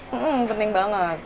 hmm penting banget